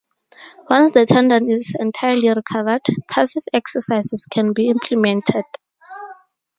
Once the tendon is entirely recovered, passive exercises can be implemented.